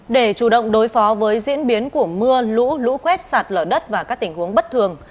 để chủ động đối phó với diễn biến của mưa lũ lũ quét sạt lở đất và các tình huống bất thường